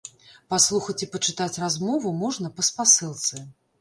Паслухаць і пачытаць размову можна па спасылцы.